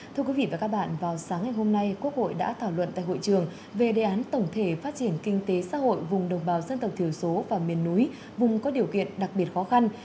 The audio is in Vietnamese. thưa quý vị và các bạn vào sáng ngày hôm nay quốc hội đã thảo luận tại hội trường về đề án tổng thể phát triển kinh tế xã hội vùng đồng bào dân tộc thiểu số và miền núi vùng có điều kiện đặc biệt khó khăn